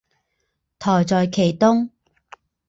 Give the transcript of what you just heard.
台在其东。